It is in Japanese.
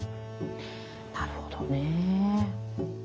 なるほどね。